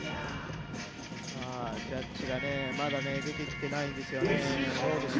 ジャッジが、まだ出てきていないんですよね。